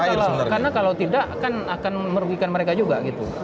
iya karena kalau tidak akan merugikan mereka juga